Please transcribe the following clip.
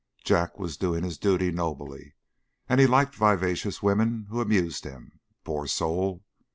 Jack was doing his duty nobly, and he liked vivacious women who amused him, poor soul!